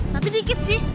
tapi dikit sih